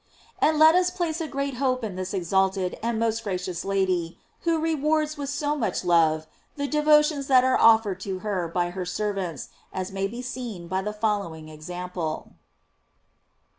And let us place a great hope in this exalted and most gracious Lady, who rewards with so much love the devotions that are offered to her by her servants, as may be seen by the following example.